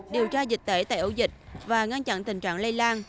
điều tra dịch tễ tại ổ dịch và ngăn chặn tình trạng lây lan